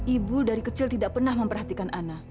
ibu dari kecil tidak pernah memperhatikan ana